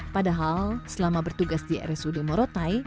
padahal selama bertugas di rsud morotai